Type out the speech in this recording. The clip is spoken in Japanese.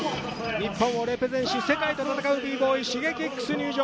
日本をレペゼンし、世界と戦うＢ−ＢＯＹ、Ｓｈｉｇｅｋｉｘ登場！